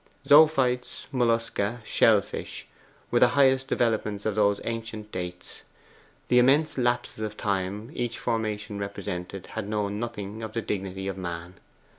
Zoophytes, mollusca, shell fish, were the highest developments of those ancient dates. The immense lapses of time each formation represented had known nothing of the dignity of man.